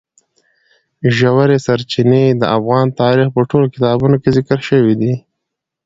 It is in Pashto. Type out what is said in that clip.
ژورې سرچینې د افغان تاریخ په ټولو کتابونو کې ذکر شوي دي.